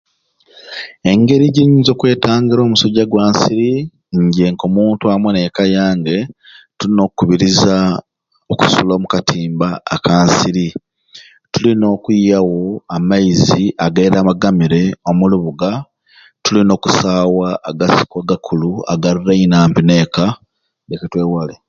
Engeri gyenyinza okwetangira omusujja gwa nsiri nje k'omuntu amwe n'eka yange tulina okukubiriza okusula omu katimba aka nsiri, tulina okwiawo amaizi ageragamire omu lubuga, tulina okusaawa agasiko agakulu agaroraine ampi n'eka lyoke twewale.